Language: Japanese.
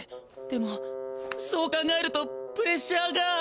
でもそう考えるとプレッシャーが。